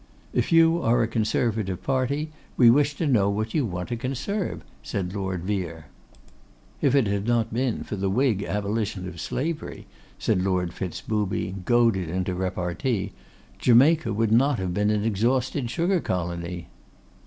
'If you are a Conservative party, we wish to know what you want to conserve,' said Lord Vere. 'If it had not been for the Whig abolition of slavery,' said Lord Fitz booby, goaded into repartee, 'Jamaica would not have been an exhausted sugar colony.